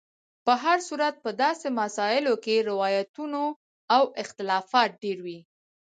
په هر صورت په داسې مسایلو کې روایتونو او اختلافات ډېر وي.